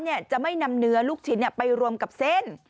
จะไม่นำเนื้อลูกชิ้นไปรวมกับเส้น